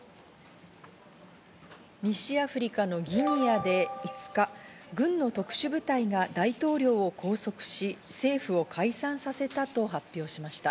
西アフリカのギニアで５日、軍の特殊部隊が大統領を拘束し、政府を解散させたと発表しました。